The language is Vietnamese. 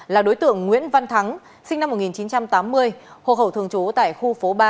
là đối tượng nguyễn văn thắng sinh năm một nghìn chín trăm tám mươi hộ khẩu thường trú tại khu phố ba